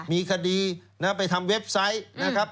มีคดีไปทำเว็บไซต์นะครับ